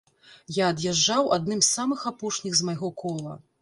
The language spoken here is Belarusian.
Я ад'язджаў адным з самых апошніх з майго кола.